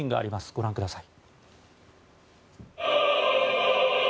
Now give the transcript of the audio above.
ご覧ください。